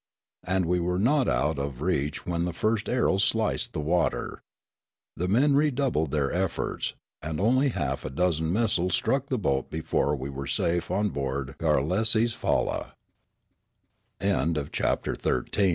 And we were not out of reach when the first arrows sliced the water. The men redoubled their efforts, and only half a dozen missiles struck the boat before we were safe on board Gar